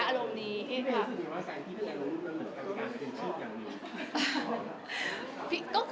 พี่เมย์รู้สึกไงว่าแสงพี่เมย์รู้มันเหมือนกับการเป็นชีวิตอย่างนี้